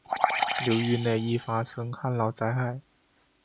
流域内易发生旱涝灾害。